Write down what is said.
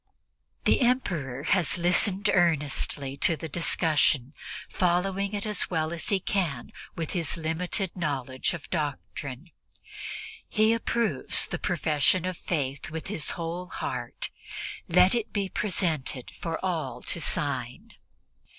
." The Emperor has listened earnestly to the discussion, following it as well as he can with his limited knowledge of doctrine. He approves the profession of Faith with his whole heart; let it be presented to all to sign.